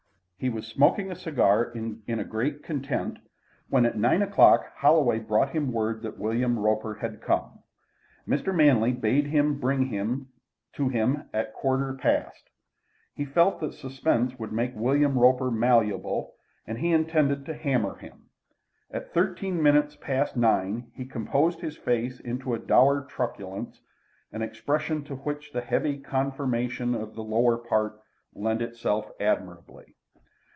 He was smoking a cigar in a great content, when at nine o'clock Holloway brought him word that William Roper had come. Mr. Manley bade him bring him to him at a quarter past. He felt that suspense would make William Roper malleable, and he intended to hammer him. At thirteen minutes past nine he composed his face into a dour truculence, an expression to which the heavy conformation of the lower part lent itself admirably.